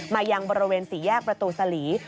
มายังบริเวณสี่แยกประตูสลี